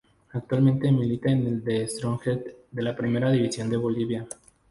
Actualmente milita en el The Strongest de la Primera División de Bolivia.